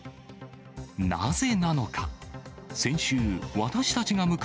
なぜなのか。